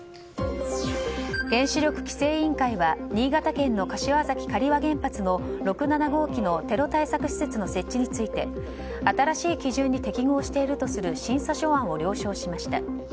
原子力規制委員会は新潟県の柏崎刈羽原発６、７号機のテロ対策施設の設置について新しい基準に適合するとする審査書案を提出しました。